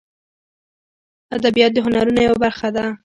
ادبیات د هنرونو یوه برخه ده